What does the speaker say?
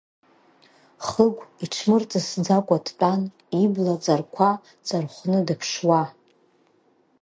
Хыгә иҽмырҵысӡакәа дтәан, ибла ҵарқәа ҵархәны дыԥшуа.